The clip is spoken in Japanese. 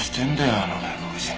あの外国人。